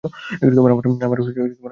আমার কাছে নিয়ে আস।